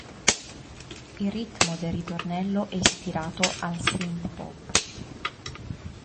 Il ritmo del ritornello è ispirato al synth-pop.